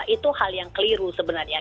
itu hal yang keliru sebenarnya